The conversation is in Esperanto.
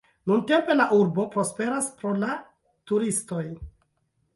Nuntempe la urbo prosperas pro la turistoj.